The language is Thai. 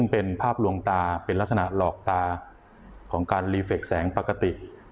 เป็นลักษณะหลอกตาของการรีเฟ็กซ์แสงปกติ